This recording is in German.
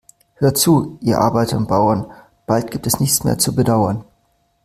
Hört zu, ihr Arbeiter und Bauern, bald gibt es nichts mehr zu bedauern.